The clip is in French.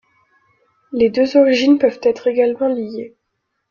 Les deux origines peuvent être également liées.